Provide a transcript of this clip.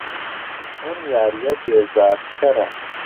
ئەم یارییە بێزارکەرە.